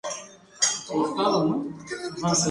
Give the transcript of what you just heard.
El hombre falleció.